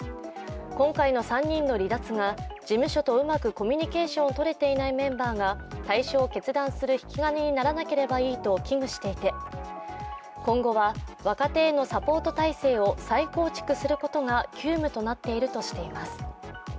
今回の３人の離脱が事務所とうまくコミュニケーションを取れていないメンバーが退所を決断する引き金にならなければいいと危惧していて、今後は若手へのサポート体制を再構築することが急務となっているとしています。